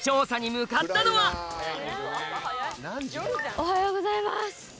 おはようございます。